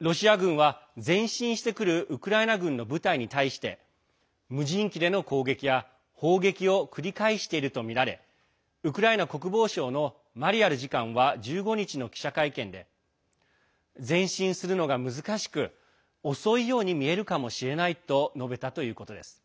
ロシア軍は、前進してくるウクライナ軍の部隊に対して無人機での攻撃や砲撃を繰り返しているとみられウクライナ国防省のマリャル次官は１５日の記者会見で前進するのが難しく遅いように見えるかもしれないと述べたということです。